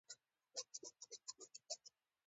ایا د ځیګر فعالیت مو کتلی دی؟